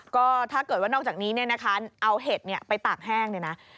ก็ถ้าเกิดว่านอกจากนี้เนี่ยนะคะเอาเห็ดไปตากแห้งเนี่ยนะ